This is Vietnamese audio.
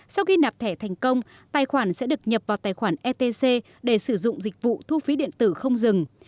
sau khi nạp thẻ thành công tài khoản sẽ được nhập vào tài khoản etc để sử dụng dịch vụ thu phí điện tử không dừng